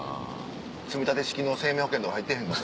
積み立て式の生命保険とか入ってへんの？